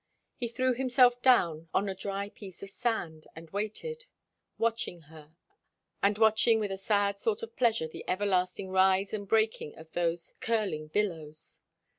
He threw himself down 011 a dry piece of sand, and waited; watching her, and watching with a sad sort of pleasure the everlasting rise and breaking of those curling billows.